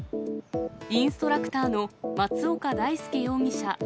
インストラクターの松岡大右容疑者